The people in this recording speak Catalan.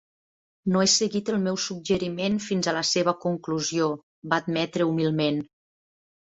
"No he seguit el meu suggeriment fins a la seva conclusió", va admetre humilment.